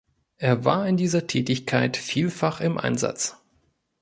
Er war in dieser Tätigkeit vielfach im Einsatz.